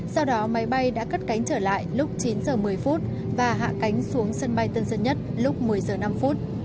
sau đó máy bay đã cất cánh trở lại lúc chín h một mươi và hạ cánh xuống sân bay tân sơn nhất lúc một mươi h năm